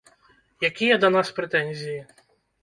Якія да нас прэтэнзіі?